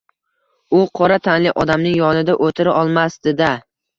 U qora tanli odamning yonida oʻtira olmasdi-da.